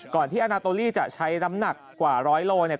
ที่อาณาโตลี่จะใช้น้ำหนักกว่าร้อยโลเนี่ย